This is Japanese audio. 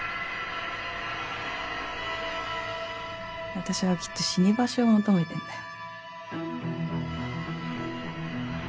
私はきっと死に場所を求めてんだよ